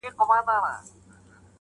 • څارنوال ته پلار ویله دروغجنه,